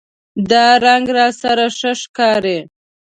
دا رنګ راسره ښه ښکاری